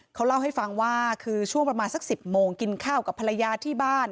เขาเล่าให้ฟังว่าคือช่วงประมาณสัก๑๐โมงกินข้าวกับภรรยาที่บ้าน